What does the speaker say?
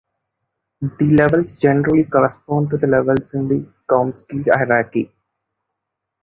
The levels generally correspond to levels in the Chomsky hierarchy.